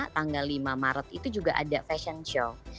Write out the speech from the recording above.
tanggal lima maret itu juga ada fashion show